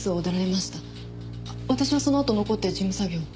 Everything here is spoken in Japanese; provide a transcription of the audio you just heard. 私はそのあと残って事務作業を。